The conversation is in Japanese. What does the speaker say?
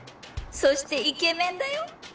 そしてイケメンだよ？